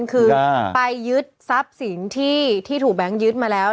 คือไปยึดทรัพย์สินที่ถูกแบงค์ยึดมาแล้ว